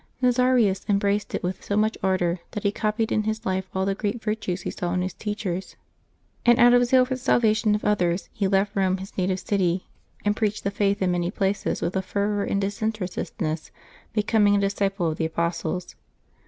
Nazarius embraced it with so much ardor that he copied in his life all the great virtues he saw in his teachers; and out of zeal for the salvation of others, he left Rome, his native city, and preached the Faith in many places with a fervor and disinterestedness becoming a disciple of the apostles.